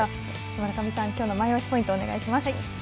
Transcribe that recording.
村上さん、きょうのマイオシポイントをお願いします。